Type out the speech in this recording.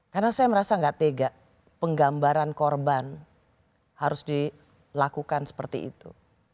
karena saya merasa nggak tega penggambaran korban harus dilakukan seperti itu